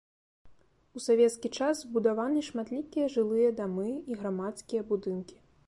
У савецкі час збудаваны шматлікія жылыя дамы і грамадскія будынкі.